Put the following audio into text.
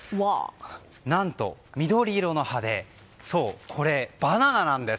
何と、緑色の葉でこれ、バナナなんです。